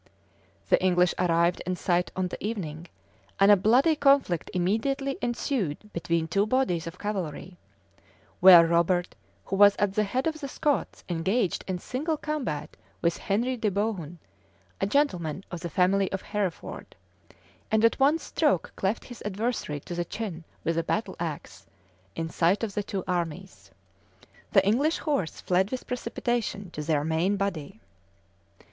[*] The English arrived in sight on the evening, and a bloody conflict immediately ensued between two bodies of cavalry; where Robert, who was at the head of the Scots, engaged in single combat with Henry de Bohun, a gentleman of the family of Hereford; and at one stroke cleft his adversary to the chin with a battle axe, in sight of the two armies. The English horse fled with precipitation to their main body.